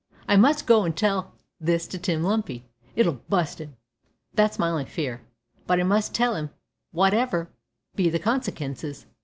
I must go an' tell this to Tim Lumpy. It'll bust 'im that's my on'y fear, but I must tell 'im wotever be the consikences."